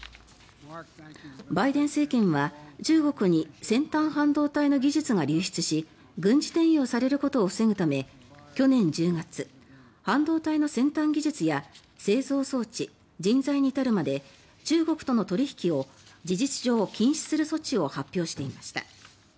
バイデン政権は中国に先端半導体の技術が流出し軍事転用されることを防ぐため去年１０月、半導体の先端技術や製造装置、人材に至るまで中国との取引を事実上禁止する措置を発表していました。